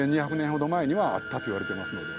大体１２００年ほど前にはあったといわれています。